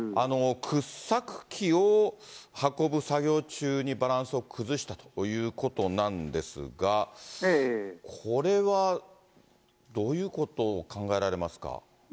掘削機を運ぶ作業中にバランスを崩したということなんですが、これはどういうことを考えられますか。